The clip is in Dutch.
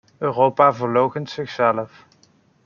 Europa verloochent zichzelf.